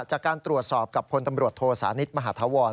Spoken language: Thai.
จากการตรวจสอบกับพลตำรวจโทสานิทมหาธาวร